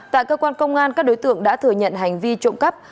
tại cơ quan công an các đối tượng đã thừa nhận hành vi trộm cắp